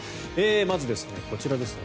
まず、こちらですね。